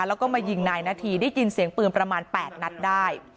แล้วก็มายิงนายนาธีได้ยินเสียงปืนประมาณ๘นัดได้